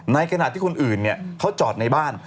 ในขณะที่คนอื่นเขาจอดในบ้าน